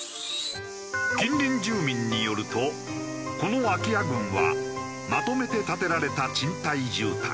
近隣住民によるとこの空き家群はまとめて建てられた賃貸住宅。